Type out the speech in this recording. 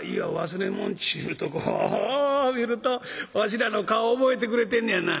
「忘れ物っちゅうところを見るとわしらの顔覚えてくれてんのやな」。